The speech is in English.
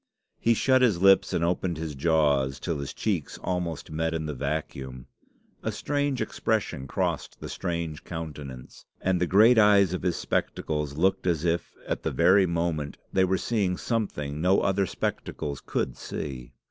He shut his lips and opened his jaws till his cheeks almost met in the vacuum. A strange expression crossed the strange countenance, and the great eyes of his spectacles looked as if, at the very moment, they were seeing something no other spectacles could see.